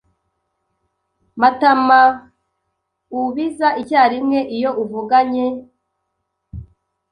Matamaubiza icyarimwe iyo uvuganye